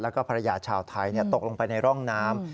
แล้วก็ภรรยาชาวไทยตกลงไปในร่องน้ำ